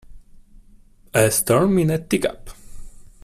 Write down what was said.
A storm in a teacup